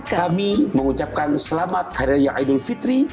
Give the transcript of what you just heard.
kami mengucapkan selamat hari raya idul fitri